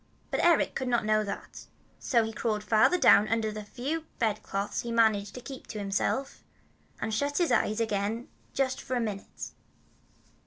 But Eric could not know that; so he crawled farther down under the few bedclothes he had managed to keep to himself, and shut his eyes again just for a minute.